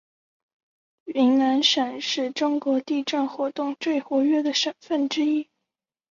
云南省是中国地震活动最活跃的省份之一。